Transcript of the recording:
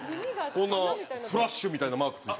こんなフラッシュみたいなマーク付いて。